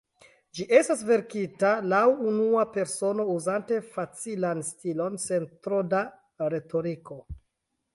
Ĝi estas verkita laŭ unua persono, uzante facilan stilon, sen tro da retoriko.